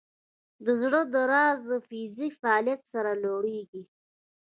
د زړه درزا د فزیکي فعالیت سره لوړېږي.